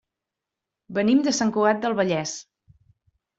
Venim de Sant Cugat del Vallès.